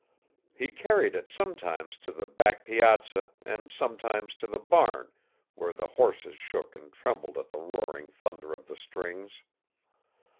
He carried it sometimes to the back piazza and sometimes to the barn, where the horses shook and trembled at the roaring thunder of the strings.